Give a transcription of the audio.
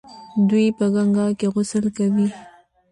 دوی په ګنګا کې غسل کوي.